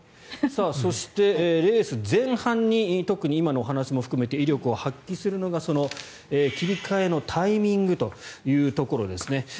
そしてレース前半に特に今のお話も含めて威力を発揮するのがその切り替えのタイミングというところです。